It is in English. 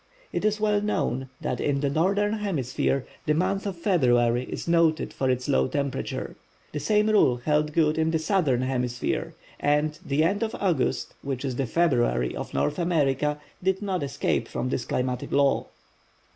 It is well known that in the Northern Hemisphere, the month of February is noted for its low temperature. The same rule held good in the Southern Hemisphere, and the end of August, which is the February of North America, did not escape from this climatic law.